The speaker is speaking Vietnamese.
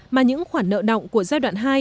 mà những khoản nợ động của giai đoạn hai